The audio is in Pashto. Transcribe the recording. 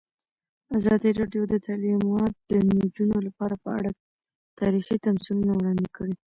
ازادي راډیو د تعلیمات د نجونو لپاره په اړه تاریخي تمثیلونه وړاندې کړي.